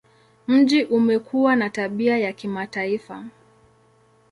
Mji umekuwa na tabia ya kimataifa.